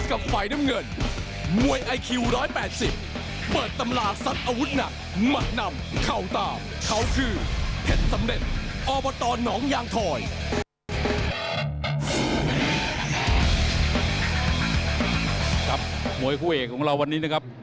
มวยคู่เอกของเราวันนี้นะครับ